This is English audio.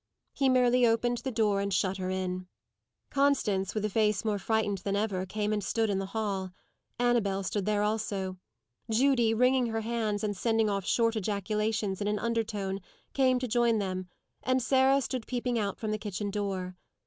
He merely opened the door, and shut her in. Constance, with a face more frightened than ever, came and stood in the hall. Annabel stood there also. Judy, wringing her hands, and sending off short ejaculations in an undertone, came to join them, and Sarah stood peeping out from the kitchen door.